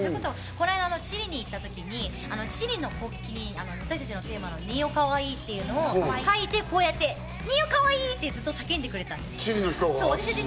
この間、チリに行った時にチリの国旗に私たちのテーマのＮＥＯかわいいっていうのを書いて、「ＮＥＯかわいい！」ってずっと叫んでくれた。